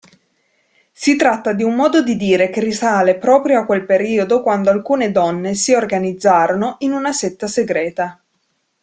Si tratta di un modo di dire che risale proprio a quel periodo quando alcune donne si organizzarono in una setta segreta.